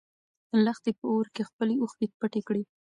لښتې په اور کې خپلې اوښکې پټې کړې.